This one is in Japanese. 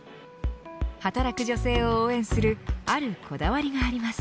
働く女性を応援するあるこだわりがあります。